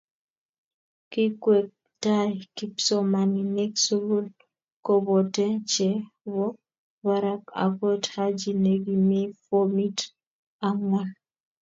kikweektai kipsomaninik sukul kobote che bo barak okot Haji ne kimii fomit angwan